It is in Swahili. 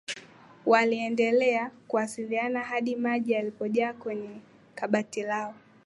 waliendelea kuwasiliano had maji yalipojaa kwenye kabati lao